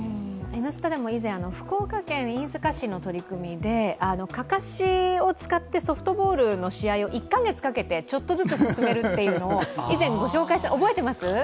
「Ｎスタ」でも以前、福岡県飯塚市の取り組みで、かかしを使ってソフトボールの試合を１か月かけてちょっとずつ進めるっていうのを以前、ご紹介して覚えてます？